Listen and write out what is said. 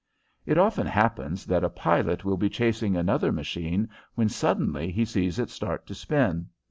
It often happens that a pilot will be chasing another machine when suddenly he sees it start to spin.